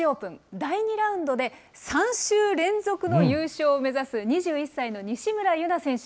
第２ラウンドで３週連続の優勝を目指す２１歳の西村優菜選手。